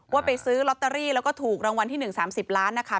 ว่าไปซื้อลอตเตอรี่แล้วก็ถูกรางวัลที่๑๓๐ล้านนะคะ